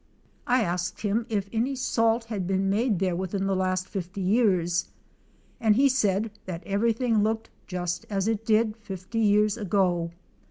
I asked him if any salt had been made there within the last 50 years, and he said that everything looked just as it did 50 years ago.